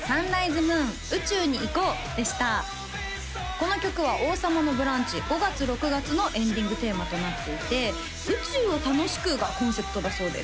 この曲は「王様のブランチ」５月６月のエンディングテーマとなっていて「宇宙を楽しく」がコンセプトだそうです